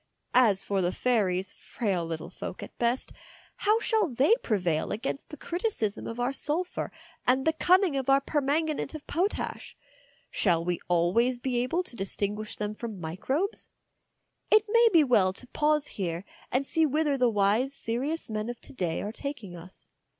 As for the fairies, frail little folk at best, how shall they prevail against the criticism of our sulphur and the cunning of our permanganate of potash? Shall we always be able to dis tinguish them from microbes? 208 THE DAY BEFORE YESTERDAY It may be well to pause here and see whither the wise, serious men of to day are taking us.